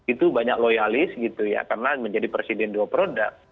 itu banyak loyalis gitu ya karena menjadi presiden dua produk